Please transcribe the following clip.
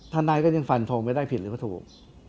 ทนายก็ยังฟันทงไม่ได้ผิดหรือว่าถูก